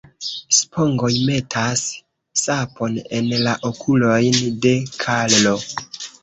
Spongoj metas sapon en la okulojn de Karlo..